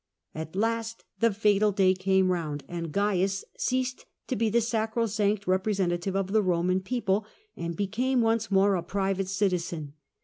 At last the fatal day came round, and Gains ceased to be the sacrosanct representative of the Roman people, and became once more a private citizen.